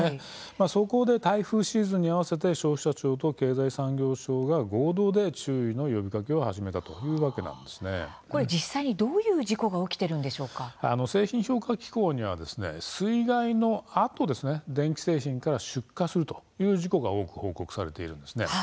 そこで台風シーズンに合わせて消費者庁と経済産業省が合同で注意の呼びかけを始めたと実際に、どういう事故が製品評価機構には水害のあと電気製品から出火する事故が多く報告されています。